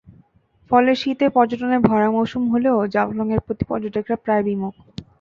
ফলে শীতে পর্যটনের ভরা মৌসুম হলেও জাফলংয়ের প্রতি পর্যটকেরা প্রায় বিমুখ।